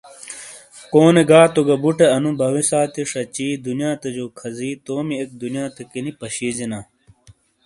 کونے گا تو گہ بُٹے اَنُو بَویےسانتی شچی دُنیاتے جو کھزی تومی اِک دنیاتیکینی پَشی جینا